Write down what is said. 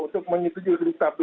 untuk menyetujui uji klinis tahap dua